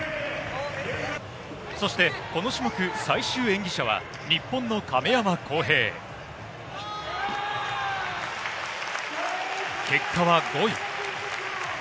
そしてこの種目、最終演技者は日本の亀山耕平。結果は５位。